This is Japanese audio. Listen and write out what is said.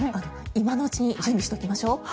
今のうちに準備しておきましょう。